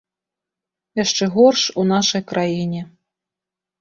Яшчэ горш у нашай краіне.